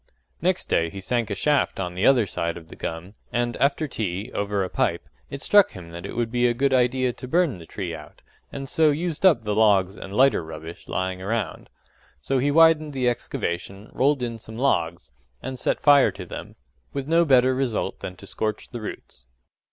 Next day he sank a shaft on the other side of the gum; and after tea, over a pipe, it struck him that it would be a good idea to burn the tree out, and so use up the logs and lighter rubbish lying round. So he widened the excavation, rolled in some logs, and set fire to them with no better result than to scorch the roots.